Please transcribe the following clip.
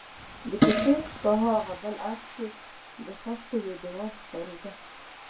د کوڅې په هاغه بل اړخ کې د خښتو یو دېوال ښکارېده.